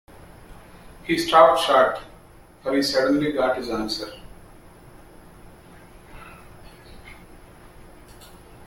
He stopped short, for he suddenly got his answer.